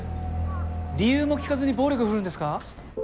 理由も聞かずに暴力振るうんですか？